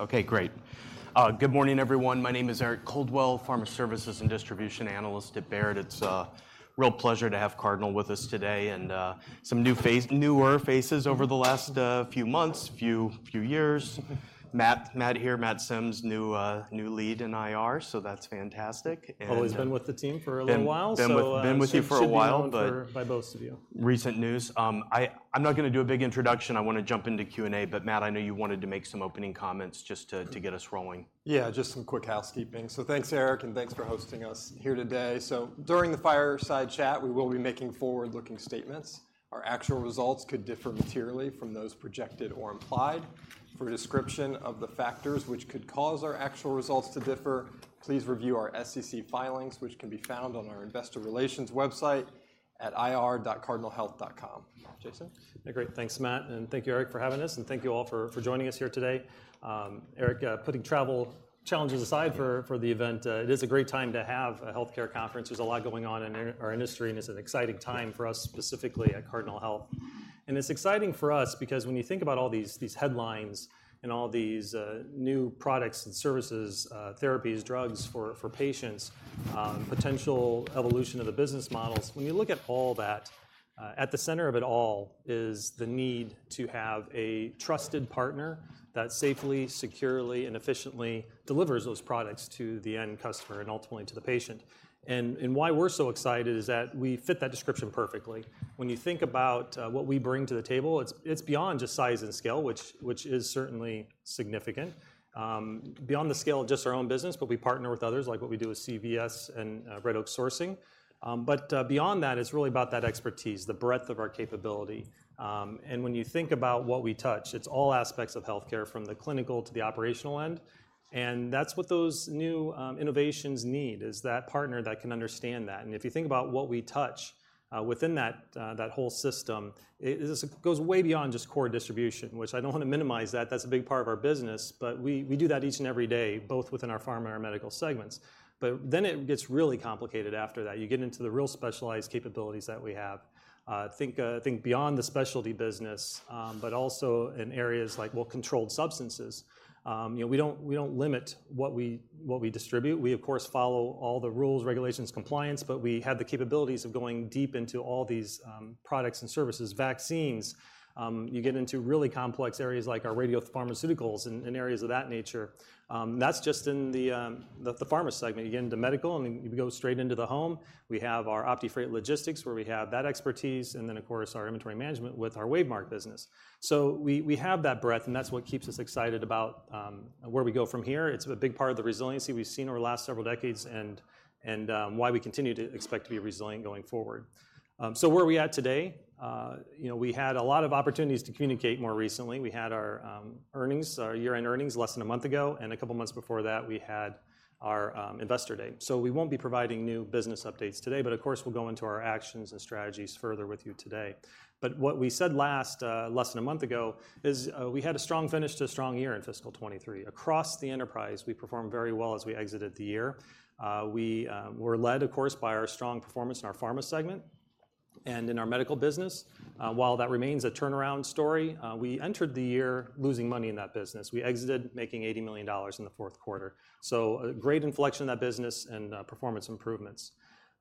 Okay, great. Good morning, everyone. My name is Eric Coldwell, Pharma Services and Distribution Analyst at Baird. It's a real pleasure to have Cardinal with us today, and some newer faces over the last few months, few years. Matt here, Matt Sims, new lead in IR, so that's fantastic. And- Always been with the team for a little while. Been with you for a while- Should be known for, by both of you. Recent news. I'm not gonna do a big introduction. I wanna jump into Q&A, but Matt, I know you wanted to make some opening comments just to get us rolling. Yeah, just some quick housekeeping. So thanks, Eric, and thanks for hosting us here today. So during the fireside chat, we will be making forward-looking statements. Our actual results could differ materially from those projected or implied. For a description of the factors which could cause our actual results to differ, please review our SEC filings, which can be found on our investor relations website at ir.cardinalhealth.com. Jason? Great. Thanks, Matt, and thank you, Eric, for having us, and thank you all for joining us here today. Eric, putting travel challenges aside for the event, it is a great time to have a healthcare conference. There's a lot going on in our industry, and it's an exciting time for us, specifically at Cardinal Health. And it's exciting for us because when you think about all these headlines and all these new products and services, therapies, drugs for patients, potential evolution of the business models, when you look at all that, at the center of it all is the need to have a trusted partner that safely, securely, and efficiently delivers those products to the end customer and ultimately to the patient. And why we're so excited is that we fit that description perfectly. When you think about what we bring to the table, it's, it's beyond just size and scale, which, which is certainly significant. Beyond the scale of just our own business, but we partner with others, like what we do with CVS and Red Oak Sourcing. But beyond that, it's really about that expertise, the breadth of our capability. And when you think about what we touch, it's all aspects of healthcare, from the clinical to the operational end, and that's what those new innovations need, is that partner that can understand that. And if you think about what we touch within that, that whole system, it, it goes way beyond just core distribution, which I don't want to minimize that. That's a big part of our business, but we do that each and every day, both within our pharma and our medical segments. But then it gets really complicated after that. You get into the real specialized capabilities that we have. Think beyond the specialty business, but also in areas like, well, controlled substances. You know, we don't limit what we distribute. We, of course, follow all the rules, regulations, compliance, but we have the capabilities of going deep into all these products and services. Vaccines, you get into really complex areas like our Radiopharmaceuticals and areas of that nature. That's just in the pharma segment. You get into medical, and then you go straight into the home. We have our OptiFreight Logistics, where we have that expertise, and then, of course, our inventory management with our WaveMark business. So we, we have that breadth, and that's what keeps us excited about where we go from here. It's a big part of the resiliency we've seen over the last several decades and why we continue to expect to be resilient going forward. So where are we at today? You know, we had a lot of opportunities to communicate more recently. We had our earnings, our year-end earnings, less than a month ago, and a couple months before that, we had our Investor Day. So we won't be providing new business updates today, but of course, we'll go into our actions and strategies further with you today. But what we said last, less than a month ago, is, we had a strong finish to a strong year in fiscal 2023. Across the enterprise, we performed very well as we exited the year. We were led, of course, by our strong performance in our pharma segment and in our medical business. While that remains a turnaround story, we entered the year losing money in that business. We exited making $80 million in the fourth quarter. So a great inflection in that business and, performance improvements.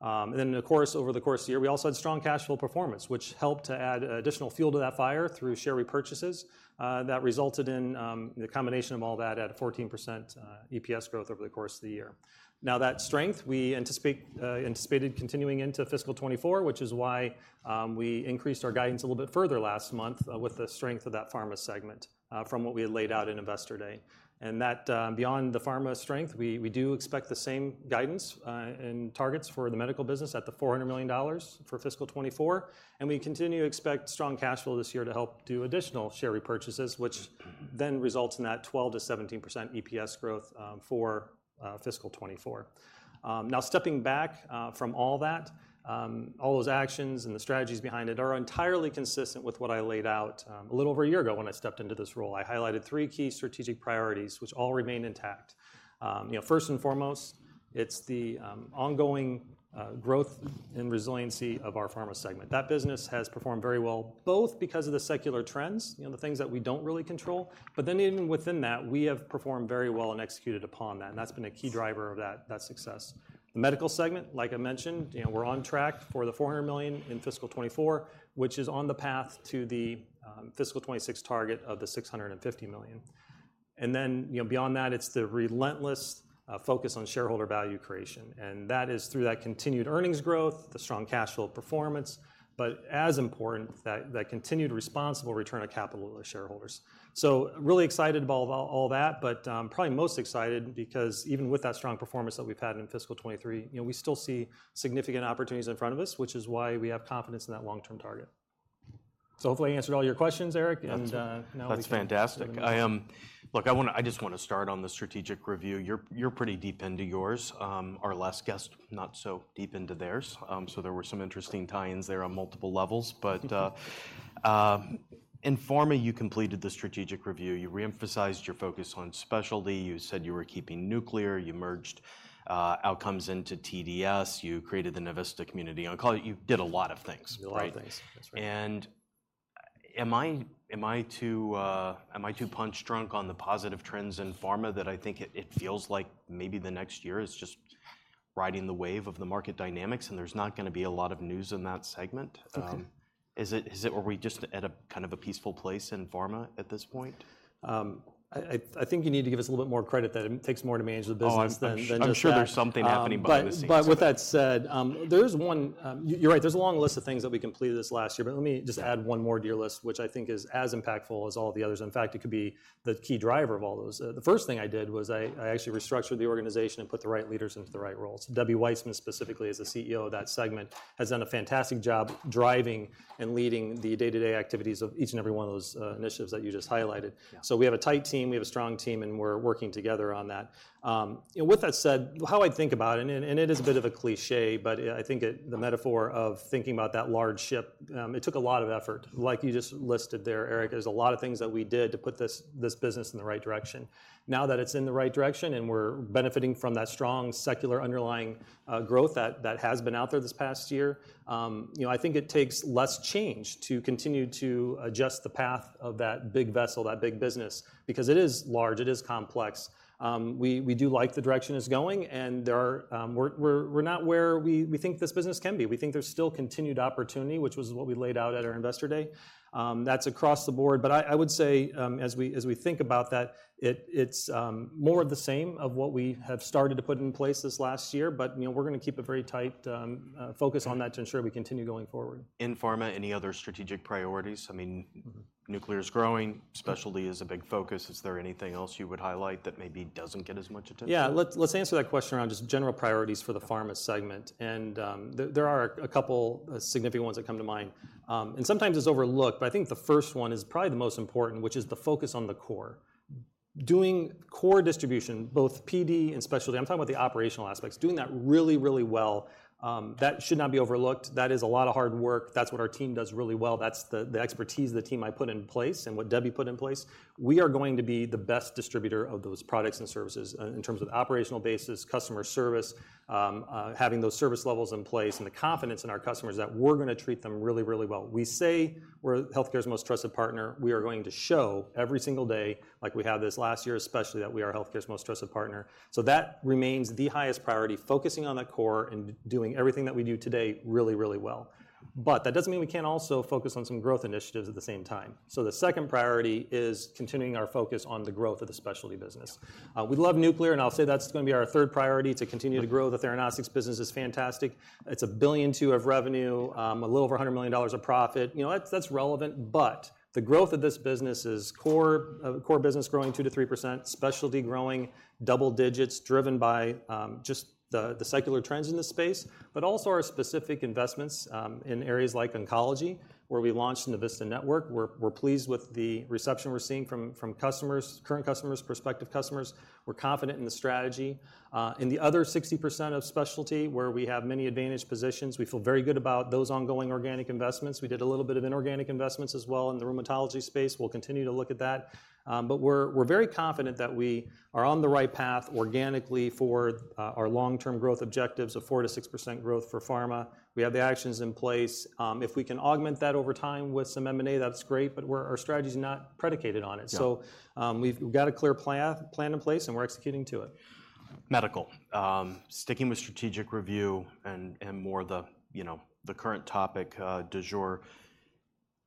And then, of course, over the course of the year, we also had strong cash flow performance, which helped to add additional fuel to that fire through share repurchases. That resulted in, the combination of all that at a 14%, EPS growth over the course of the year. Now, that strength, we anticipated continuing into fiscal 2024, which is why we increased our guidance a little bit further last month with the strength of that pharma segment from what we had laid out in Investor Day. And that, beyond the pharma strength, we do expect the same guidance and targets for the medical business at the $400 million for fiscal 2024. And we continue to expect strong cash flow this year to help do additional share repurchases, which then results in that 12%-17% EPS growth for fiscal 2024. Now, stepping back from all that, all those actions and the strategies behind it are entirely consistent with what I laid out a little over a year ago when I stepped into this role. I highlighted three key strategic priorities, which all remain intact. You know, first and foremost, it's the ongoing growth and resiliency of our pharma segment. That business has performed very well, both because of the secular trends, you know, the things that we don't really control, but then even within that, we have performed very well and executed upon that, and that's been a key driver of that, that success. The medical segment, like I mentioned, you know, we're on track for the $400 million in fiscal 2024, which is on the path to the fiscal 2026 target of the $650 million. And then, you know, beyond that, it's the relentless focus on shareholder value creation, and that is through that continued earnings growth, the strong cash flow performance, but as important, that, that continued responsible return of capital to shareholders. So really excited about all that, but probably most excited because even with that strong performance that we've had in fiscal 2023, you know, we still see significant opportunities in front of us, which is why we have confidence in that long-term target. So hopefully, I answered all your questions, Eric, and now- That's fantastic. Look, I wanna, I just wanna start on the strategic review. You're, you're pretty deep into yours. Our last guest, not so deep into theirs, so there were some interesting tie-ins there on multiple levels. But, in pharma, you completed the strategic review. You re-emphasized your focus on specialty. You said you were keeping nuclear. You merged Outcomes into TDS. You created the Navista community. I call it, you did a lot of things, right? A lot of things. That's right. Am I too punch drunk on the positive trends in pharma that I think it feels like maybe the next year is just riding the wave of the market dynamics, and there's not gonna be a lot of news in that segment? You can- Is it, or are we just at a kind of a peaceful place in pharma at this point? I think you need to give us a little bit more credit, that it takes more to manage the business than just that. Oh, I'm sure there's something happening behind the scenes. But with that said, there's one... You're right, there's a long list of things that we completed this last year, but let me just add one more to your list, which I think is as impactful as all the others. In fact, it could be the key driver of all those. The first thing I did was I actually restructured the organization and put the right leaders into the right roles. Debbie Weitzman, specifically, as the CEO of that segment, has done a fantastic job driving and leading the day-to-day activities of each and every one of those initiatives that you just highlighted. Yeah. So we have a tight team, we have a strong team, and we're working together on that. You know, with that said, how I think about it, and it is a bit of a cliché, but, yeah, I think it, the metaphor of thinking about that large ship, it took a lot of effort. Like you just listed there, Eric, there's a lot of things that we did to put this business in the right direction. Now, that it's in the right direction, and we're benefiting from that strong, secular, underlying growth that has been out there this past year, you know, I think it takes less change to continue to adjust the path of that big vessel, that big business, because it is large, it is complex. We do like the direction it's going, and there are... We're not where we think this business can be. We think there's still continued opportunity, which was what we laid out at our Investor Day. That's across the board. But I would say, as we think about that, it's more of the same of what we have started to put in place this last year, but, you know, we're gonna keep a very tight focus on that- Yeah... to ensure we continue going forward. In pharma, any other strategic priorities? I mean- Mm-hmm. Nuclear is growing. Yeah. Specialty is a big focus. Is there anything else you would highlight that maybe doesn't get as much attention? Yeah, let's answer that question around just general priorities for the pharma segment, and there are a couple significant ones that come to mind. And sometimes it's overlooked, but I think the first one is probably the most important, which is the focus on the core. Doing core distribution, both PD and specialty, I'm talking about the operational aspects, doing that really, really well, that should not be overlooked. That is a lot of hard work. That's what our team does really well. That's the expertise the team I put in place and what Debbie put in place. We are going to be the best distributor of those products and services, in terms of operational basis, customer service, having those service levels in place, and the confidence in our customers that we're gonna treat them really, really well. We say we're healthcare's most trusted partner. We are going to show every single day, like we have this last year, especially, that we are healthcare's most trusted partner. So that remains the highest priority, focusing on that core and doing everything that we do today really, really well. But that doesn't mean we can't also focus on some growth initiatives at the same time. So the second priority is continuing our focus on the growth of the specialty business. Yeah. We love nuclear, and I'll say that's gonna be our third priority to continue to grow. The Theranostics business is fantastic. It's $1.2 billion of revenue, a little over $100 million of profit. You know, that's, that's relevant, but the growth of this business is core, core business growing 2%-3%, specialty growing double digits, driven by, just the, the secular trends in this space, but also our specific investments, in areas like oncology, where we launched in the Navista Network. We're, we're pleased with the reception we're seeing from, from customers, current customers, prospective customers. We're confident in the strategy. In the other 60% of specialty, where we have many advantage positions, we feel very good about those ongoing organic investments. We did a little bit of inorganic investments as well in the rheumatology space. We'll continue to look at that. But we're very confident that we are on the right path organically for our long-term growth objectives of 4%-6% growth for pharma. We have the actions in place. If we can augment that over time with some M&A, that's great, but we're, our strategy is not predicated on it. Yeah. We've got a clear plan in place, and we're executing to it. Medical. Sticking with strategic review and more the, you know, the current topic du jour.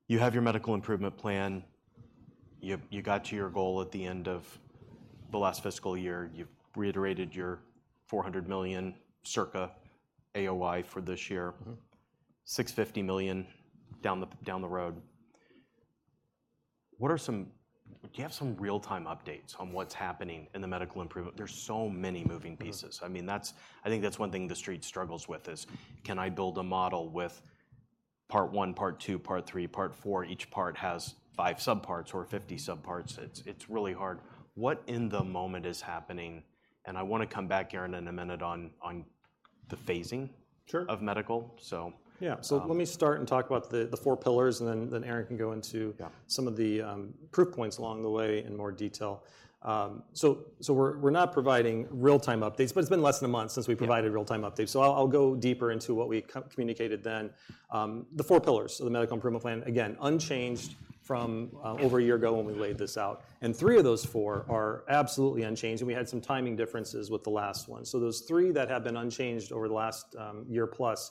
You have your Medical Improvement Plan. You've got to your goal at the end of the last fiscal year. You've reiterated your $400 million circa AOI for this year. Mm-hmm. $650 million down the road. What are some. Do you have some real-time updates on what's happening in the medical improvement? There's so many moving pieces. Mm-hmm. I mean, that's—I think that's one thing the Street struggles with, is, can I build a model with part one, part two, part three, part four, each part has five subparts or 50 subparts? It's, it's really hard. What in the moment is happening? And I wanna come back, Aaron, in a minute on, on the phasing- Sure... of medical, so. Yeah. Um- So let me start and talk about the four pillars, and then Aaron can go into- Yeah... some of the proof points along the way in more detail. So we're not providing real-time updates, but it's been less than a month since we provided- Yeah... real-time updates. So I'll, I'll go deeper into what we co-communicated then. The four pillars of the Medical Improvement Plan, again, unchanged from, Yeah over a year ago when we laid this out, and three of those four are absolutely unchanged, and we had some timing differences with the last one. So those three that have been unchanged over the last year-plus,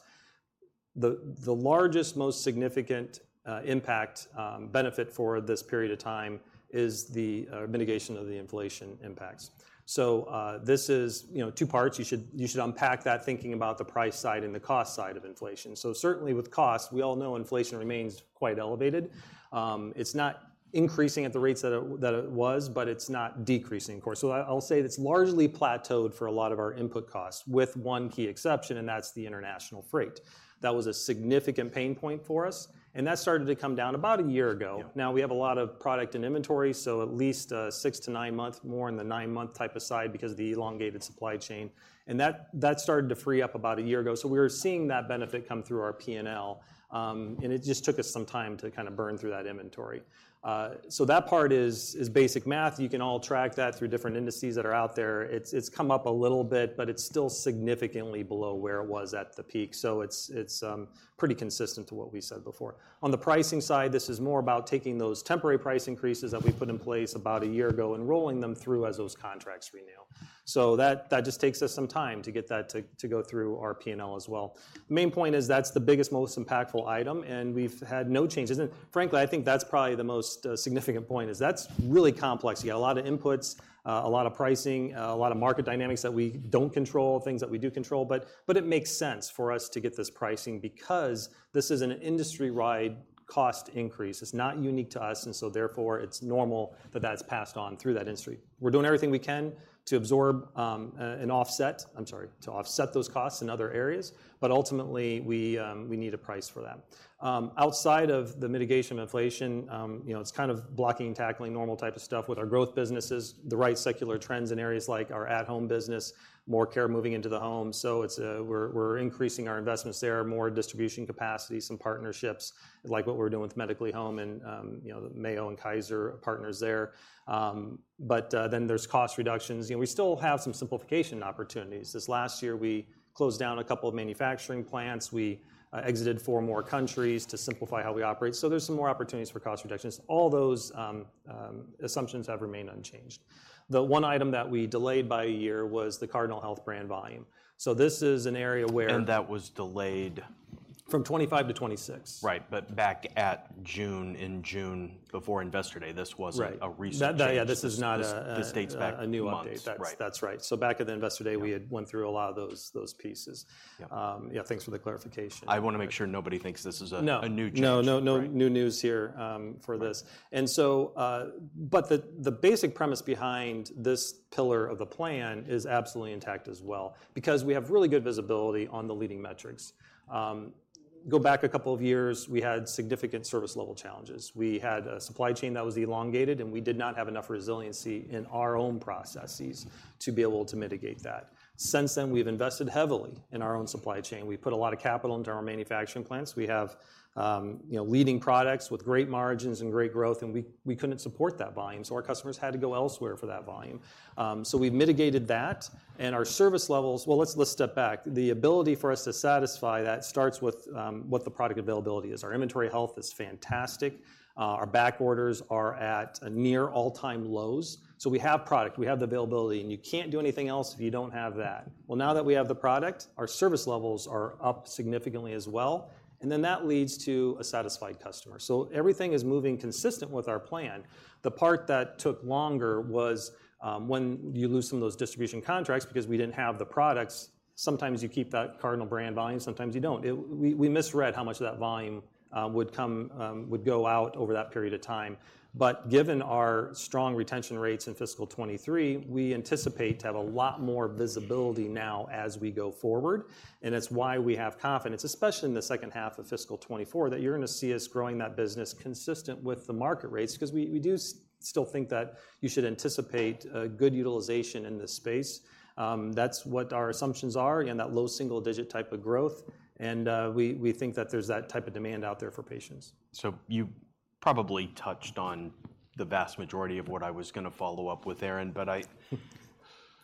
the largest, most significant impact benefit for this period of time is the mitigation of the inflation impacts. So this is, you know, two parts. You should unpack that, thinking about the price side and the cost side of inflation. So certainly, with cost, we all know inflation remains quite elevated. It's not increasing at the rates that it was, but it's not decreasing, of course. So I'll say it's largely plateaued for a lot of our input costs, with one key exception, and that's the international freight. That was a significant pain point for us, and that started to come down about a year ago. Yeah. Now, we have a lot of product and inventory, so at least six to nine months, more in the nine month type of side because of the elongated supply chain. And that, that started to free up about a year ago. So we are seeing that benefit come through our P&L, and it just took us some time to kind of burn through that inventory. So that part is, is basic math. You can all track that through different indices that are out there. It's, it's come up a little bit, but it's still significantly below where it was at the peak. So it's, it's, pretty consistent to what we said before. On the pricing side, this is more about taking those temporary price increases that we put in place about a year ago and rolling them through as those contracts renew. So that, that just takes us some time to get that to, to go through our P&L as well. The main point is, that's the biggest, most impactful item, and we've had no changes. And frankly, I think that's probably the most significant point, is that's really complex. You got a lot of inputs, a lot of pricing, a lot of market dynamics that we don't control, things that we do control, but, but it makes sense for us to get this pricing because this is an industry-wide cost increase. It's not unique to us, and so therefore, it's normal that that's passed on through that industry. We're doing everything we can to absorb and offset. I'm sorry, to offset those costs in other areas, but ultimately, we, we need a price for that. Outside of the mitigation of inflation, you know, it's kind of blocking and tackling normal type of stuff with our growth businesses, the right secular trends in areas like our at-home business, more care moving into the home. So it's, we're increasing our investments there, more distribution capacity, some partnerships, like what we're doing with Medically Home and, you know, Mayo and Kaiser partners there. But then there's cost reductions, and we still have some simplification opportunities. This last year, we closed down a couple of manufacturing plants. We exited four more countries to simplify how we operate. So there's some more opportunities for cost reductions. All those assumptions have remained unchanged. The one item that we delayed by a year was the Cardinal Health brand volume. So this is an area where- That was delayed... From 2025 to 2026. Right, but back at June, in June, before Investor Day, this wasn't- Right... a recent change. That, yeah, this is not a This dates back months.... a new update. Right. That's right. So back at the Investor Day- Yeah... we had went through a lot of those pieces. Yeah. Yeah, thanks for the clarification. I want to make sure nobody thinks this is a- No... a new change. No, no, no- Right... new news here, for this. Right. But the basic premise behind this pillar of the plan is absolutely intact as well, because we have really good visibility on the leading metrics. Go back a couple of years, we had significant service level challenges. We had a supply chain that was elongated, and we did not have enough resiliency in our own processes to be able to mitigate that. Since then, we've invested heavily in our own supply chain. We've put a lot of capital into our manufacturing plants. We have, you know, leading products with great margins and great growth, and we couldn't support that volume, so our customers had to go elsewhere for that volume. So we've mitigated that, and our service levels... Well, let's step back. The ability for us to satisfy that starts with what the product availability is. Our inventory health is fantastic. Our backorders are at a near all-time lows. So we have product, we have the availability, and you can't do anything else if you don't have that. Well, now that we have the product, our service levels are up significantly as well, and then that leads to a satisfied customer. So everything is moving consistent with our plan. The part that took longer was when you lose some of those distribution contracts because we didn't have the products, sometimes you keep that Cardinal brand volume, sometimes you don't. We misread how much of that volume would go out over that period of time. But given our strong retention rates in fiscal 2023, we anticipate to have a lot more visibility now as we go forward, and it's why we have confidence, especially in the second half of fiscal 2024, that you're going to see us growing that business consistent with the market rates, because we do still think that you should anticipate a good utilization in this space. That's what our assumptions are, again, that low double-digit type of growth, and we think that there's that type of demand out there for patients. You probably touched on the vast majority of what I was going to follow up with, Aaron, but I-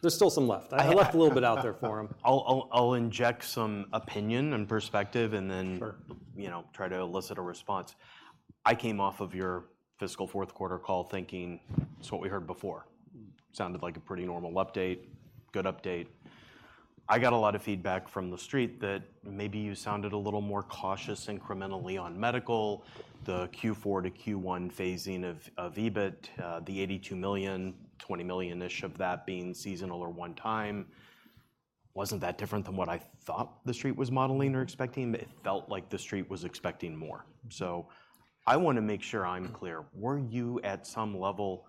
There's still some left. I left a little bit out there for him. I'll inject some opinion and perspective, and then- Sure... you know, try to elicit a response. I came off of your fiscal fourth quarter call thinking, "It's what we heard before. Mm. Sounded like a pretty normal update, good update. I got a lot of feedback from the Street that maybe you sounded a little more cautious incrementally on medical, the Q4 to Q1 phasing of EBIT, the $82 million, $20 million ish of that being seasonal or one time. Wasn't that different than what I thought the Street was modeling or expecting, but it felt like the Street was expecting more. So I want to make sure I'm clear. Were you, at some level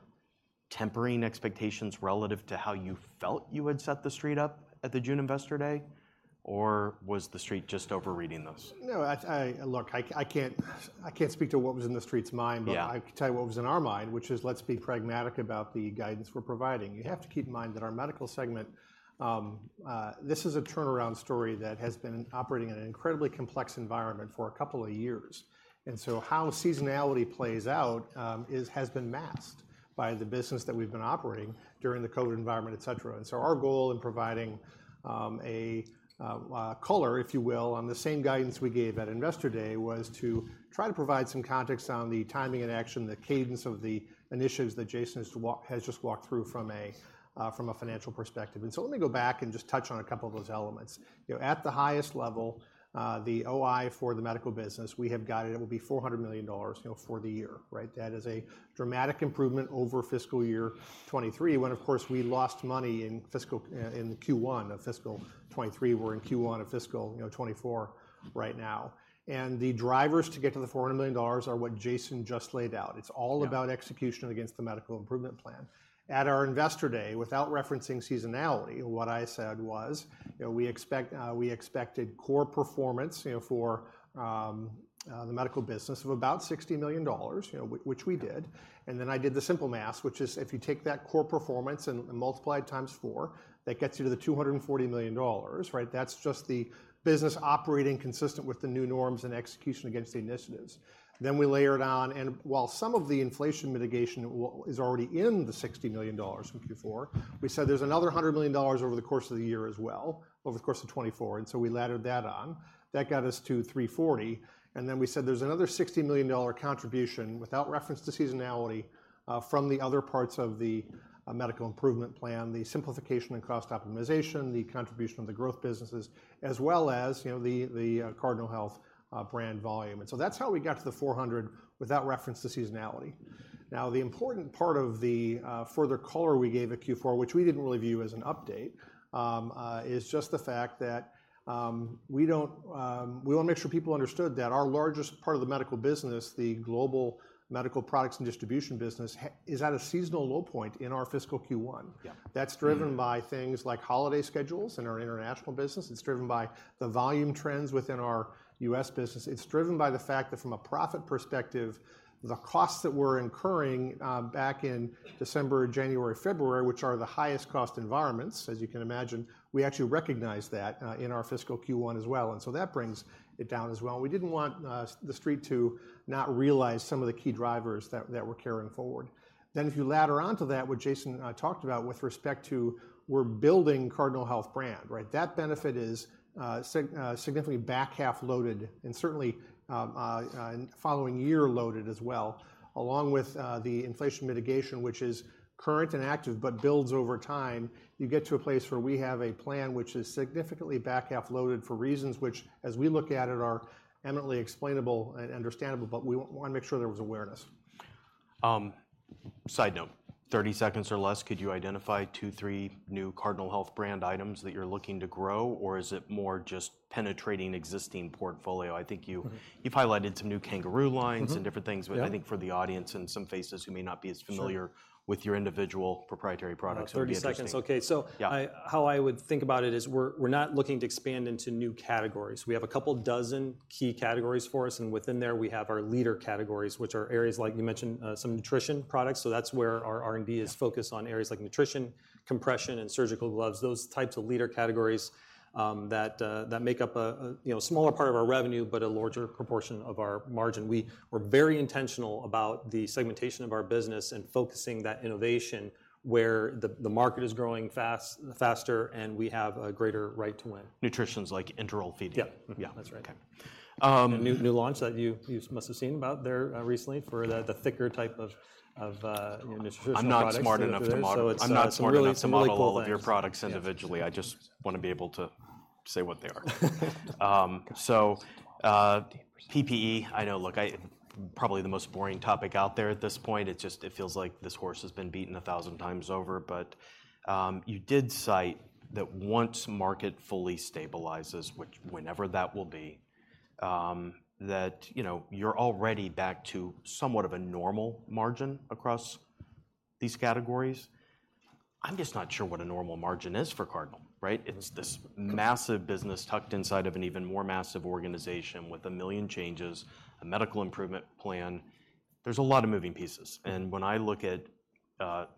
tempering expectations relative to how you felt you had set the Street up at the June Investor Day, or was the Street just overreading those? No, look, I can't speak to what was in the street's mind- Yeah. But I can tell you what was in our mind, which is let's be pragmatic about the guidance we're providing. You have to keep in mind that our medical segment, this is a turnaround story that has been operating in an incredibly complex environment for a couple of years. And so how seasonality plays out has been masked by the business that we've been operating during the COVID environment, et cetera. And so our goal in providing color, if you will, on the same guidance we gave at Investor Day, was to try to provide some context on the timing and action, the cadence of the initiatives that Jason has just walked through from a financial perspective. And so let me go back and just touch on a couple of those elements. You know, at the highest level, the OI for the medical business, we have guided, it will be $400 million, you know, for the year, right? That is a dramatic improvement over fiscal year 2023, when, of course, we lost money in fiscal, in Q1 of fiscal 2023. We're in Q1 of fiscal, you know, 2024 right now, and the drivers to get to the $400 million are what Jason just laid out. Yeah. It's all about execution against the Medical Improvement Plan. At our Investor Day, without referencing seasonality, what I said was: You know, we expected core performance, you know, for the medical business of about $60 million, you know, which we did. And then I did the simple math, which is if you take that core performance and multiply it times four, that gets you to the $240 million, right? That's just the business operating consistent with the new norms and execution against the initiatives. Then we layer it on, and while some of the inflation mitigation is already in the $60 million from Q4, we said there's another $100 million over the course of the year as well, over the course of 2024, and so we layered that on. That got us to $340, and then we said there's another $60 million contribution, without reference to seasonality, from the other parts of the Medical Improvement Plan, the simplification and cost optimization, the contribution of the growth businesses, as well as, you know, the Cardinal Health brand volume. And so that's how we got to the $400 without reference to seasonality. Now, the important part of the further color we gave at Q4, which we didn't really view as an update, is just the fact that we don't... We wanna make sure people understood that our largest part of the medical business, the global medical products and distribution business, is at a seasonal low point in our fiscal Q1. Yeah. That's driven by- Mm ...things like holiday schedules in our international business. It's driven by the volume trends within our U.S. business. It's driven by the fact that, from a profit perspective, the costs that we're incurring back in December, January, February, which are the highest cost environments, as you can imagine, we actually recognize that in our fiscal Q1 as well, and so that brings it down as well. And we didn't want the street to not realize some of the key drivers that we're carrying forward. Then, if you layer onto that, what Jason talked about with respect to we're building Cardinal Health brand, right? That benefit is significantly back-half loaded and certainly in following year loaded as well, along with the inflation mitigation, which is current and active, but builds over time. You get to a place where we have a plan, which is significantly back-half loaded for reasons which, as we look at it, are eminently explainable and understandable, but we wanna make sure there was awareness. Side note, 30 seconds or less, could you identify two, three new Cardinal Health brand items that you're looking to grow, or is it more just penetrating existing portfolio? I think you- Mm-hmm. You've highlighted some new Kangaroo lines- Mm-hmm... and different things. Yeah. But I think for the audience and some faces who may not be as familiar... Sure ... with your individual proprietary products, that would be interesting. About 30 seconds. Okay, so- Yeah... how I would think about it is we're, we're not looking to expand into new categories. We have a couple dozen key categories for us, and within there, we have our leader categories, which are areas like you mentioned, some nutrition products, so that's where our R&D is focused on areas like nutrition, compression, and surgical gloves. Those types of leader categories, that make up a, a, you know, smaller part of our revenue, but a larger proportion of our margin. We were very intentional about the segmentation of our business and focusing that innovation where the market is growing faster, and we have a greater right to win. Nutrition's, like, enteral feeding. Yep. Yeah. That's right. Okay. Um- A new launch that you must have seen about there recently for the thicker type of you know, nutritional products- I'm not smart enough to model- So it's some really small cool things.... I'm not smart enough to model all of your products individually. Yeah. I just wanna be able to say what they are. So, PPE, I know, look, I probably the most boring topic out there at this point. It just feels like this horse has been beaten a thousand times over, but you did cite that once market fully stabilizes, which whenever that will be, you know, you're already back to somewhat of a normal margin across these categories. I'm just not sure what a normal margin is for Cardinal, right? It's this massive- Mm... business tucked inside of an even more massive organization with a million changes, a Medical Improvement Plan. There's a lot of moving pieces, and when I look at,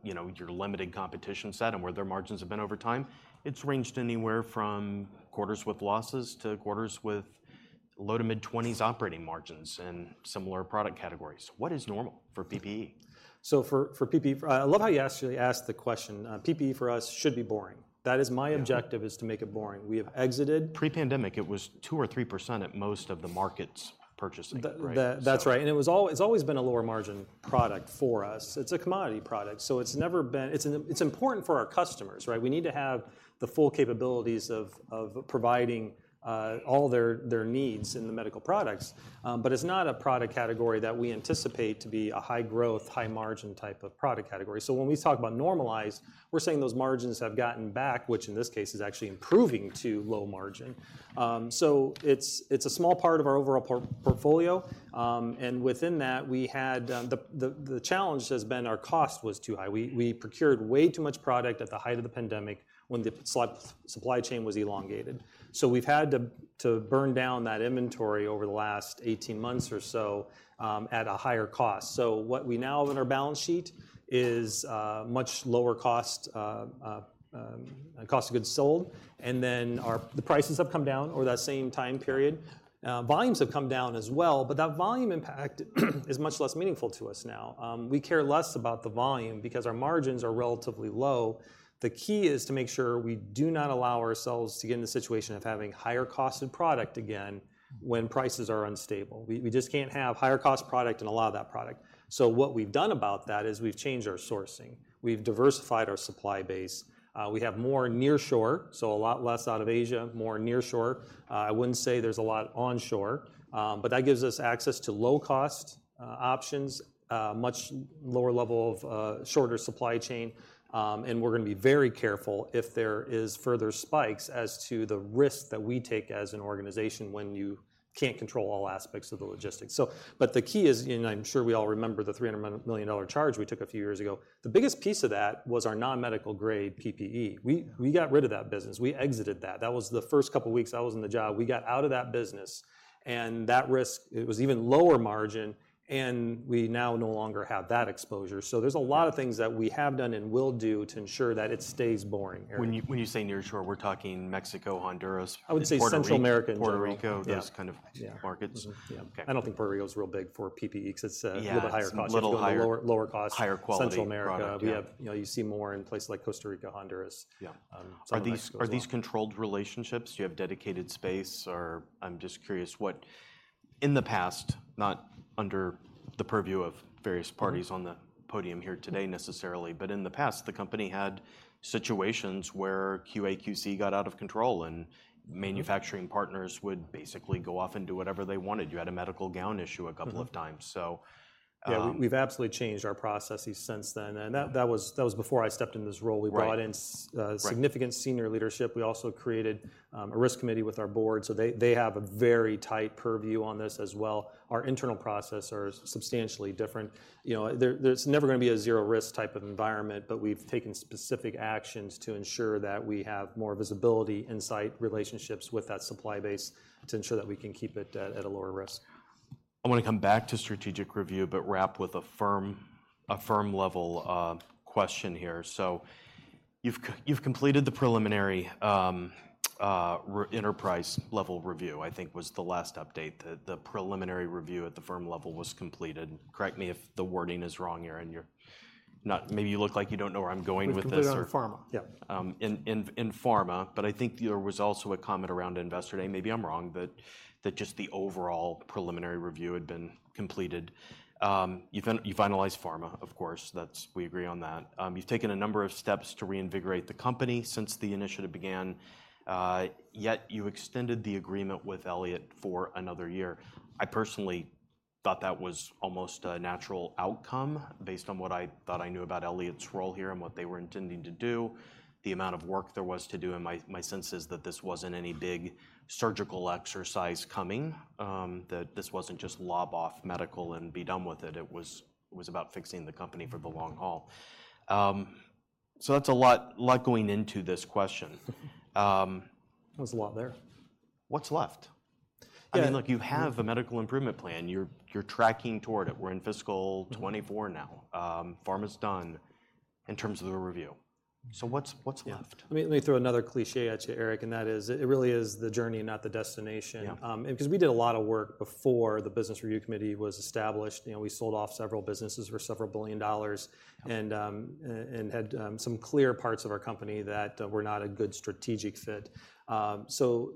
you know, your limited competition set and where their margins have been over time, it's ranged anywhere from quarters with losses to quarters with low to mid-twenties operating margins in similar product categories. What is normal for PPE? So for PPE, I love how you actually asked the question. PPE for us should be boring. That is my objective- Yeah... is to make it boring. We have exited- Pre-pandemic, it was 2%-3% at most of the markets purchasing, right? So- That's right, and it's always been a lower margin product for us. It's a commodity product, so it's never been... It's important for our customers, right? We need to have the full capabilities of providing all their needs in the medical products. But it's not a product category that we anticipate to be a high-growth, high-margin type of product category. So when we talk about normalize, we're saying those margins have gotten back, which in this case is actually improving to low margin. So it's a small part of our overall portfolio. And within that, the challenge has been our cost was too high. We procured way too much product at the height of the pandemic when the supply chain was elongated.... So we've had to burn down that inventory over the last 18 months or so, at a higher cost. So what we now have in our balance sheet is much lower cost of goods sold, and then our the prices have come down over that same time period. Volumes have come down as well, but that volume impact is much less meaningful to us now. We care less about the volume because our margins are relatively low. The key is to make sure we do not allow ourselves to get in the situation of having higher cost of product again, when prices are unstable. We just can't have higher cost product and allow that product. So what we've done about that is we've changed our sourcing. We've diversified our supply base. We have more nearshore, so a lot less out of Asia, more nearshore. I wouldn't say there's a lot onshore, but that gives us access to low cost options, a much lower level of shorter supply chain. And we're gonna be very careful if there is further spikes as to the risk that we take as an organization when you can't control all aspects of the logistics. So, but the key is, and I'm sure we all remember the $300 million charge we took a few years ago. The biggest piece of that was our non-medical grade PPE. We got rid of that business. We exited that. That was the first couple of weeks I was on the job. We got out of that business, and that risk, it was even lower margin, and we now no longer have that exposure. So there's a lot of things that we have done and will do to ensure that it stays boring. When you, when you say nearshore, we're talking Mexico, Honduras, and Puerto Rico? I would say Central America in general. Puerto Rico. Yeah. Those kind of markets? Mm-hmm. Yeah. Okay. I don't think Puerto Rico is real big for PPE, because it's a- Yeah... little higher costs. Little higher. Lower, lower costs. Higher quality- Central America... product. Yeah. We have, you know, you see more in places like Costa Rica, Honduras- Yeah... southern Mexico as well. Are these, are these controlled relationships? Do you have dedicated space or... I'm just curious what, in the past, not under the purview of various parties- Mm... on the podium here today necessarily, but in the past, the company had situations where QA/QC got out of control, and Mm... manufacturing partners would basically go off and do whatever they wanted. You had a medical gown issue a couple of times. Mm-hmm. So, um- Yeah, we've absolutely changed our processes since then, and that was before I stepped into this role. Right. We brought in. Right... significant senior leadership. We also created a risk committee with our board, so they have a very tight purview on this as well. Our internal processes are substantially different. You know, there's never gonna be a zero risk type of environment, but we've taken specific actions to ensure that we have more visibility, insight, relationships with that supply base to ensure that we can keep it at a lower risk. I wanna come back to strategic review, but wrap with a firm, a firm level question here. So you've completed the preliminary enterprise level review, I think was the last update. The preliminary review at the firm level was completed. Correct me if the wording is wrong here, and you're not... Maybe you look like you don't know where I'm going with this or- We've completed on pharma. Yeah. In pharma, but I think there was also a comment around Investor Day, maybe I'm wrong, but that just the overall preliminary review had been completed. You finalized pharma, of course. That's. We agree on that. You've taken a number of steps to reinvigorate the company since the initiative began, yet you extended the agreement with Elliott for another year. I personally thought that was almost a natural outcome, based on what I thought I knew about Elliott's role here and what they were intending to do, the amount of work there was to do, and my sense is that this wasn't any big surgical exercise coming, that this wasn't just lob off medical and be done with it. It was about fixing the company for the long haul. So that's a lot, lot going into this question. There's a lot there. What's left? Yeah. I mean, look, you have a Medical Improvement Plan. You're tracking toward it. We're in fiscal 2024 now. Mm-hmm. Pharma's done in terms of the review. So what's left? Yeah. Let me, let me throw another cliché at you, Eric, and that is, it really is the journey, not the destination. Yeah. and 'cause we did a lot of work before the Business Review Committee was established. You know, we sold off several businesses for $several billion- Yeah... and had some clear parts of our company that were not a good strategic fit. So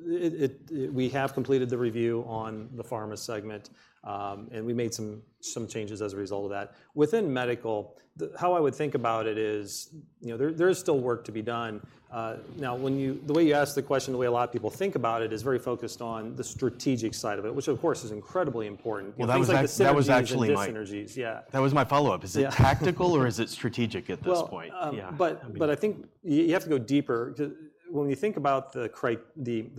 we have completed the review on the pharma segment, and we made some changes as a result of that. Within medical, how I would think about it is, you know, there is still work to be done. Now, the way you asked the question, the way a lot of people think about it, is very focused on the strategic side of it, which, of course, is incredibly important- Well, that was Things like the synergies- That was actually my-... and dis-synergies. Yeah. That was my follow-up. Yeah. Is it tactical, or is it strategic at this point? Well- Yeah, I mean-... but I think you have to go deeper. When you think about the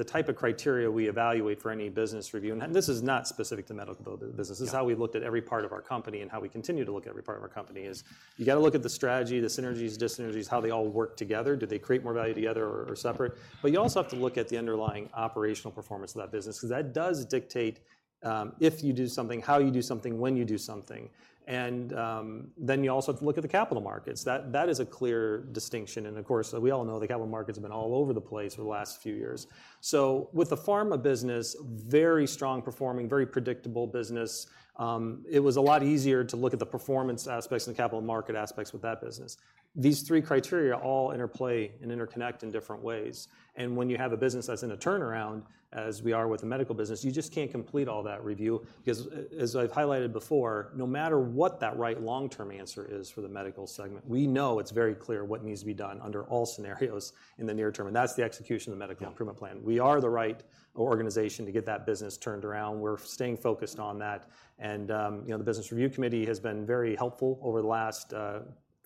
type of criteria we evaluate for any business review, and this is not specific to medical business. Yeah. This is how we looked at every part of our company and how we continue to look at every part of our company is, you gotta look at the strategy, the synergies, dyssynergies, how they all work together. Do they create more value together or, or separate? But you also have to look at the underlying operational performance of that business, 'cause that does dictate, if you do something, how you do something, when you do something. And, then you also have to look at the capital markets. That, that is a clear distinction, and of course, we all know the capital market's been all over the place for the last few years. So with the pharma business, very strong performing, very predictable business, it was a lot easier to look at the performance aspects and the capital market aspects with that business. These three criteria all interplay and interconnect in different ways, and when you have a business that's in a turnaround, as we are with the medical business, you just can't complete all that review, because as I've highlighted before, no matter what that right long-term answer is for the medical segment, we know it's very clear what needs to be done under all scenarios in the near term, and that's the execution of the Medical Improvement Plan. Yeah. We are the right organization to get that business turned around. We're staying focused on that, and, you know, the Business Review Committee has been very helpful over the last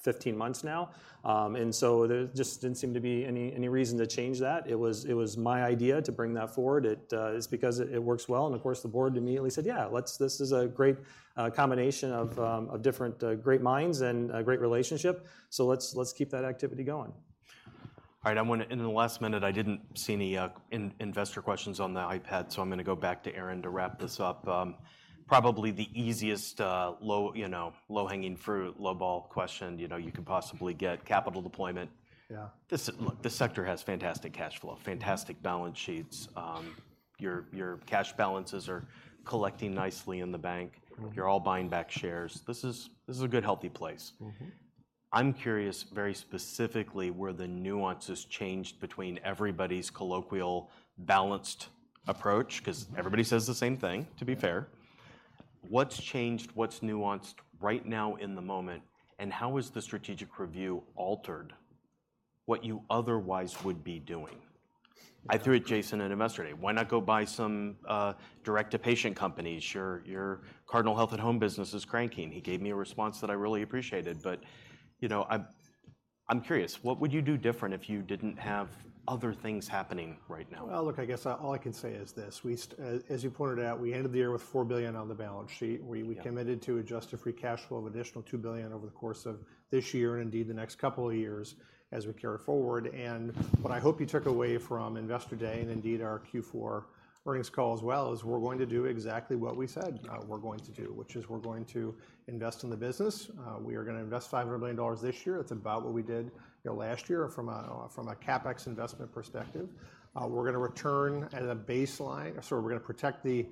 15 months now. And so there just didn't seem to be any reason to change that. It was my idea to bring that forward. It is because it works well, and of course, the board immediately said, "Yeah, let's. This is a great combination of different great minds and a great relationship, so let's keep that activity going.... All right, I'm gonna, in the last minute, I didn't see any investor questions on the iPad, so I'm gonna go back to Aaron to wrap this up. Probably the easiest, you know, low-hanging fruit, low-ball question, you know, you could possibly get: capital deployment. Yeah. This, look, this sector has fantastic cash flow, fantastic balance sheets. Your, your cash balances are collecting nicely in the bank. Mm-hmm. You're all buying back shares. This is, this is a good, healthy place. Mm-hmm. I'm curious, very specifically, where the nuance has changed between everybody's colloquial balanced approach, 'cause everybody says the same thing, to be fair. What's changed, what's nuanced right now in the moment, and how has the strategic review altered what you otherwise would be doing? I threw it Jason at Investor Day. Why not go buy some, direct-to-patient companies? Your, your Cardinal Health at Home business is cranking. He gave me a response that I really appreciated, but you know, I'm, I'm curious, what would you do different if you didn't have other things happening right now? Well, look, I guess, all I can say is this: as you pointed out, we ended the year with $4 billion on the balance sheet. Yeah. We committed to adjusted free cash flow of additional $2 billion over the course of this year, and indeed, the next couple of years as we carry it forward. What I hope you took away from Investor Day, and indeed, our Q4 earnings call as well, is we're going to do exactly what we said, we're going to do, which is we're going to invest in the business. We are gonna invest $500 million this year. It's about what we did, you know, last year from a CapEx investment perspective. We're gonna return at a baseline... So we're gonna protect the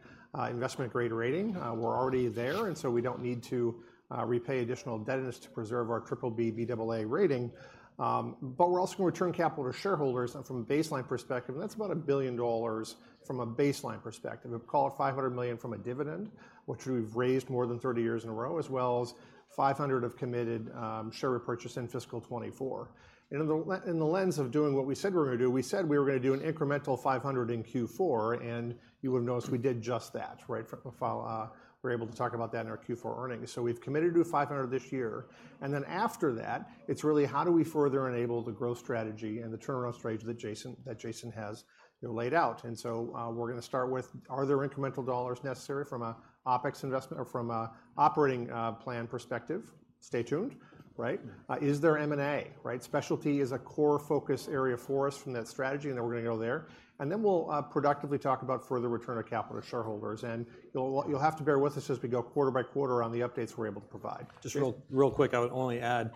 investment-grade rating. We're already there, and so we don't need to repay additional debt in this to preserve our BBB, Baa rating. But we're also gonna return capital to shareholders, and from a baseline perspective, that's about $1 billion from a baseline perspective. We've called $500 million from a dividend, which we've raised more than 30 years in a row, as well as $500 million of committed share repurchase in fiscal 2024. And in the lens of doing what we said we were gonna do, we said we were gonna do an incremental $500 million in Q4, and you would have noticed we did just that, right? Well, we're able to talk about that in our Q4 earnings. So we've committed to do $500 million this year, and then after that, it's really how do we further enable the growth strategy and the turnaround strategy that Jason, that Jason has, you know, laid out? And so, we're gonna start with, are there incremental dollars necessary from a OpEx investment or from a operating plan perspective? Stay tuned, right? Is there M&A, right? Specialty is a core focus area for us from that strategy, and then we're gonna go there. And then we'll productively talk about further return of capital to shareholders, and you'll, you'll have to bear with us as we go quarter by quarter on the updates we're able to provide. Just real, real quick, I would only add,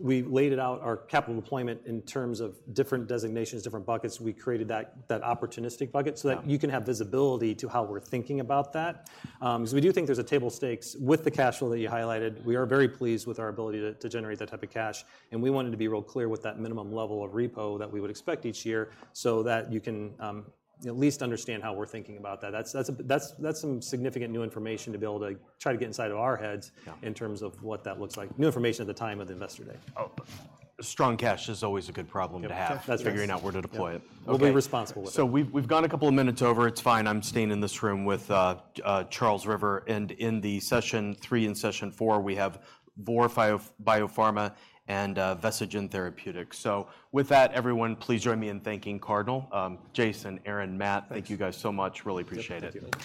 we laid out our capital deployment in terms of different designations, different buckets. We created that, that opportunistic bucket- Yeah... so that you can have visibility to how we're thinking about that. So we do think there's a table stakes with the cash flow that you highlighted. We are very pleased with our ability to generate that type of cash, and we wanted to be real clear with that minimum level of repo that we would expect each year so that you can at least understand how we're thinking about that. That's some significant new information to be able to try to get inside of our heads- Yeah... in terms of what that looks like. New information at the time of the Investor Day. Oh, strong cash is always a good problem to have- Yep. Yes... figuring out where to deploy it. Yep. Okay. We'll be responsible with it. So we've gone a couple of minutes over. It's fine. I'm staying in this room with Charles River, and in session three and session four, we have four or five biopharma and Vesigen Therapeutics. So with that, everyone, please join me in thanking Cardinal. Jason, Aaron, Matt- Thank you.... thank you guys so much. Really appreciate it.